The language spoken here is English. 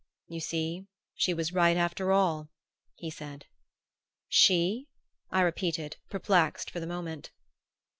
"You see she was right after all," he said. "She?" I repeated, perplexed for the moment.